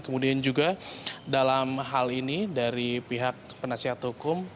kemudian juga dalam hal ini dari pihak penasihat hukum